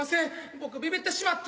僕ビビってしまって。